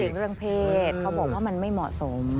สุขศิลป์เรื่องเพศเขาบอกว่ามันไม่เหมาะสม